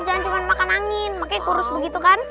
jangan cuma makan angin pakai kurus begitu kan